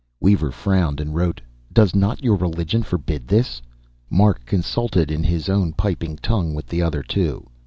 Weaver frowned and wrote, "Does not your religion forbid this?" Mark consulted in his own piping tongue with the other two.